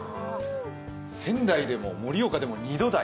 仙台でも盛岡でも２度台。